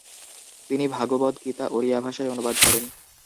তিনি ভাগবত গীতা ওড়িয়া ভাষায় অনুবাদ করেন।